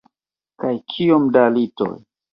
Kaj kiom da litoj.